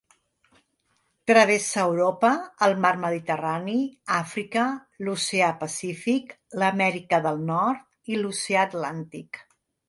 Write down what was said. Travessa Europa, el Mar Mediterrani, Àfrica, l'Oceà Pacífic, l'Amèrica del Nord i l'Oceà Atlàntic.